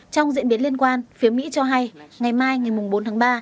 trong diễn biến liên quan phía mỹ cho hay ngày mai ngày bốn tháng ba